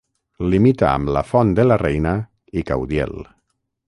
Limita amb La Font de la Reina i Caudiel.